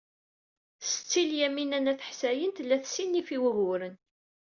Setti Lyamina n At Ḥsayen tella tessinif i wuguren.